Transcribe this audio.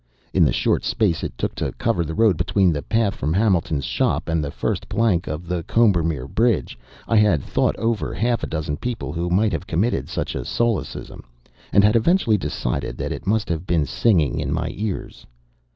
In the short space it took to cover the road between the path from Hamilton's shop and the first plank of the Combermere Bridge I had thought over half a dozen people who might have committed such a solecism, and had eventually decided that it must have been singing in my ears.